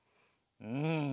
うん！